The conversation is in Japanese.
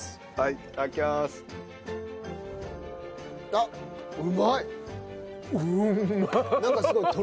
あっうまい。